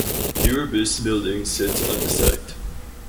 The Urbis building sits on the site.